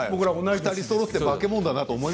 ２人そろって化け物だと。